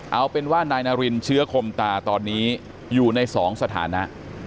เอาเป็นว่านายนารินเชื้อคมตาตอนนี้อยู่ในสองสถานะ